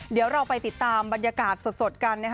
เดี๋ยวเราไปติดตามบรรยากาศสดกันนะคะ